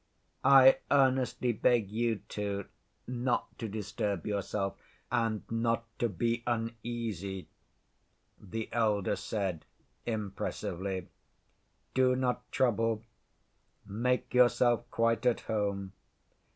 "I earnestly beg you, too, not to disturb yourself, and not to be uneasy," the elder said impressively. "Do not trouble. Make yourself quite at home.